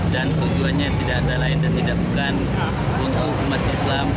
dan tujuannya tidak ada lain dan tidak bukan untuk umat islam